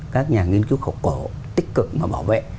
các nhà nghiên cứu khảo cổ tích cực mà bảo vệ